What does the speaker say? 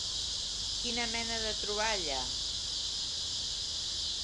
Quina mena de troballa?